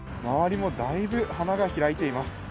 周りもだいぶ花が開いています。